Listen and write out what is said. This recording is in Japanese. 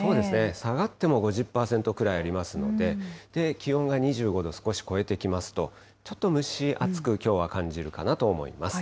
下がっても５０％くらいありますので、気温が２５度を少し超えてきますと、ちょっと蒸し暑くきょうは感じるかなと思います。